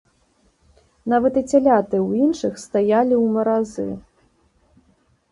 Нават і цяляты ў іншых стаялі ў маразы.